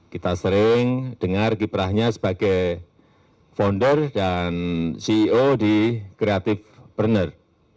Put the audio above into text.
kita sering dengar kiprahnya sebagai founder dan ceo di creative pruner